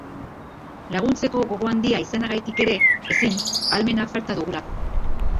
Laguntzeko gogo handia izanagatik ere, ezin, ahalmena falta dugulako.